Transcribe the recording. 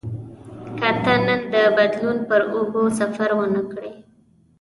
که ته نن د بدلون پر اوږو سفر ونه کړې.